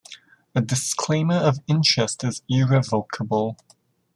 A disclaimer of interest is irrevocable.